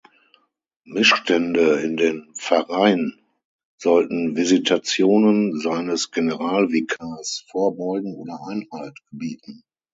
Missstände in den Pfarreien sollten Visitationen seines Generalvikars vorbeugen oder Einhalt gebieten.